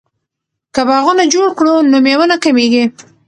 که باغونه جوړ کړو نو میوه نه کمیږي.